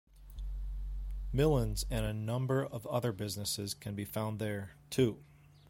Millyn's and a number of other businesses can be found there, too.